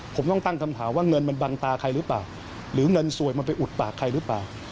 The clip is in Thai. ผมต้องตั้งคำถามว่าเงินมันบังตาใครหรือเปล่าหรือเงินสวยมันไปอุดปากใครหรือเปล่า